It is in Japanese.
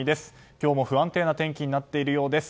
今日も不安定な天気になっているようです。